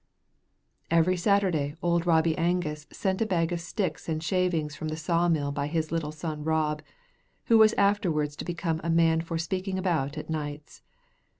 Every Saturday old Robbie Angus sent a bag of sticks and shavings from the sawmill by his little son Rob, who was afterward to become a man for speaking about at nights.